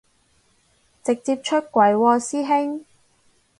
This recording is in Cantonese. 直接出櫃喎師兄